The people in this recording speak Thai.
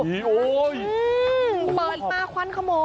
เปิดมาควันครับผม